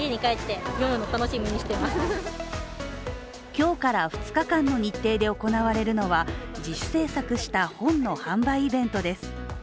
今日から２日間の日程で行われるのは自主制作した本の販売イベントです。